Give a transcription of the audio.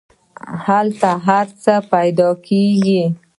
هلته هر څه پیدا کیږي.